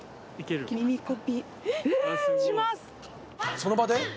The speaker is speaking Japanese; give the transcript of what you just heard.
その場で？